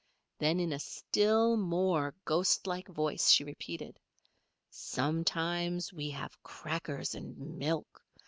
Then in a still more ghost like voice she repeated: "Sometimes we have crackers and milk.